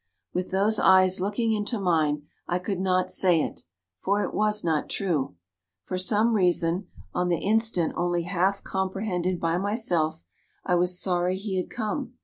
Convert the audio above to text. "With those eyes looking into mine, I could not say it; for it was not true. For some reason, on the instant only half comprehended by myself, I was sorry he had come.